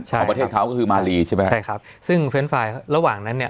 ของประเทศเขาก็คือมารีใช่ไหมใช่ครับซึ่งเฟรนด์ไฟล์ระหว่างนั้นเนี่ย